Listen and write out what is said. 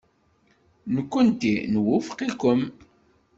Nekkenti nwufeq-ikem.